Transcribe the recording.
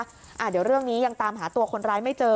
เดี๋ยวเรื่องนี้ยังตามหาตัวคนร้ายไม่เจอ